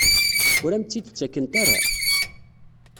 Ur am-tt-id-ttakent ara?